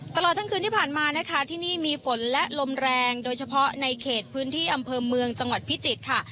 ตลอดทั้งคืนที่ผ่านมานะคะที่นี่มีฝนและลมแรงโดยเฉพาะในเขตพื้นที่อำเภอเมืองจังหวัดพิจิตรค่ะ